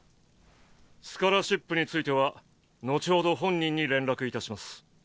スカラシップについては後ほど本人に連絡いたします。